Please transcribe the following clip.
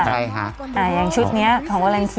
ใช่ยังชุดนี้ของเวล๔๐๑